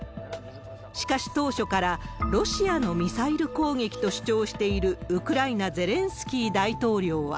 しかし、当初からロシアのミサイル攻撃と主張しているウクライナ、ゼレンスキー大統領は。